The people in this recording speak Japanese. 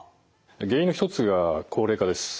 原因の一つが高齢化です。